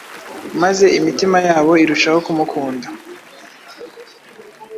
maze imitima yabo irushaho kumukunda.